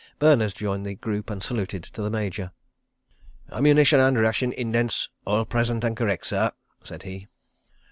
Berners joined the group and saluted the Major. "Ammunition and ration indents all present and correct, sir," said he.